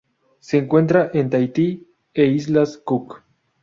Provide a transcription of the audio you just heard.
Se encuentra en Tahití e islas Cook.